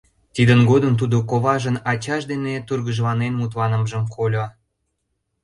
Тидын годым тудо коважын ачаж дене тургыжланен мутланымыжым кольо: